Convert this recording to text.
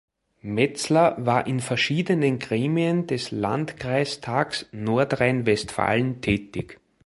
Metzler war in verschiedenen Gremien des Landkreistages Nordrhein-Westfalen tätig.